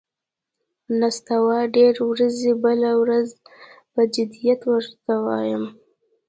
نستوه ډېر ورځي، بله ورځ پهٔ جدیت ور ته وايي: